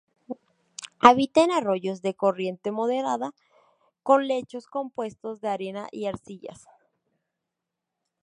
Habita en arroyos de corriente moderada con lechos compuestos de arena y arcillas.